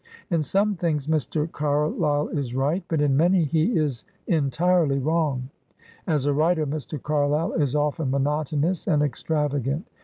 In some things, Mr. Car lyle is right; but in many, he is entirely wrong. As a writer, Mr. Carlyle is often monotonous and extrav agant.